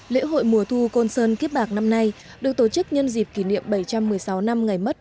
lễ hội mùa thu côn sơn kiếp bạc năm nay được tổ chức nhân dịp kỷ niệm bảy trăm một mươi sáu năm ngày mất